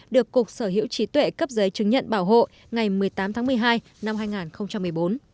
được cục sở hữu trí tuệ cấp giấy chứng nhận bảo hộ ngày một mươi tám tháng một mươi hai năm hai nghìn một mươi bốn